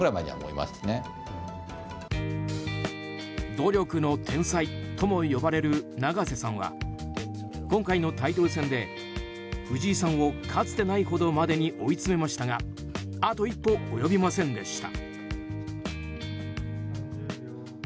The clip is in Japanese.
努力の天才とも呼ばれる永瀬さんは今回のタイトル戦で藤井さんをかつてないほどまでに追い詰めましたがあと一歩及びませんでした。